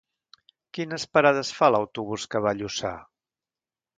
Quines parades fa l'autobús que va a Lluçà?